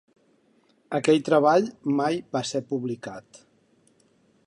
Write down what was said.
Aquell treball mai va ser publicat.